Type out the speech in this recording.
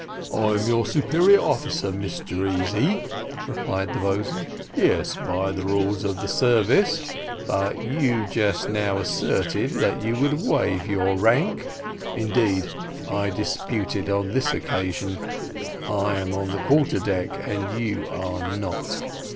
"I am your superior officer, Mr Easy," replied the boatswain. "Yes, by the rules of the service; but you just now asserted that you would waive your rank indeed, I dispute it on this occasion; I am on the quarter deck, and you are not."